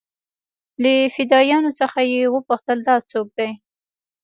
له فدايانو څخه يې وپوښتل دا سوک دې.